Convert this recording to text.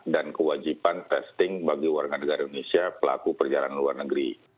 dan kewajiban testing bagi warga negara indonesia pelaku perjalanan luar negeri